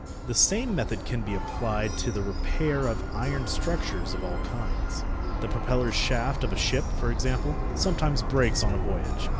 The same method can be applied to the repair of iron structures of all kinds. The propeller shaft of a ship, for example, sometimes breaks on a voyage.